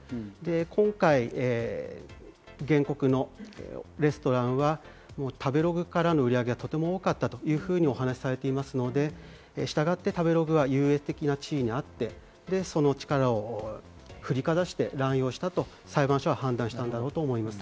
今回、原告のレストランは食べログからの売り上げがとても大きかったとお話をされていますので、したがって食べログは優越的な地位にあって、その力を振りかざして乱用したと裁判所は判断したんだろうと思います。